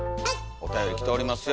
おたより来ておりますよ